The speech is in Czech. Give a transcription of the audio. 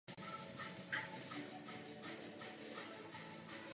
Byl činný i jako výtvarník.